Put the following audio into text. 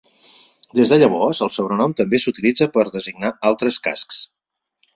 Des de llavors, el sobrenom també s'utilitza per designar altres cascs.